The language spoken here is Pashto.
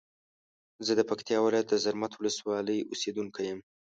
زه د پکتیا ولایت د زرمت ولسوالی اوسیدونکی یم.